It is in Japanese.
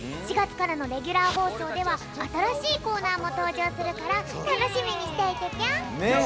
４月からのレギュラー放送ではあたらしいコーナーもとうじょうするからたのしみにしていてぴょん！